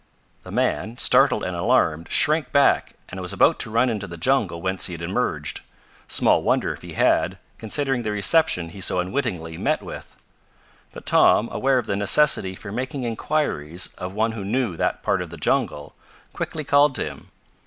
The man, startled and alarmed, shrank back and was about to run into the jungle whence he had emerged. Small wonder if he had, considering the reception he so unwittingly met with. But Tom, aware of the necessity for making inquiries of one who knew that part of the jungle, quickly called to him.